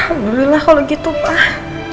ya allah kalau gitu pak